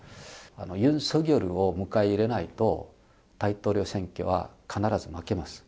ユン・ソギョルを迎え入れないと、大統領選挙は必ず負けます。